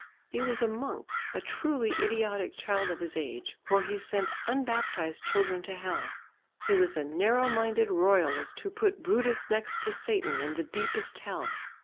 He was a monk, a truly idiotic child of his age, for he sent unbaptised children to hell. He was a narrow minded royalist who put Brutus next to Satan in the deepest hell.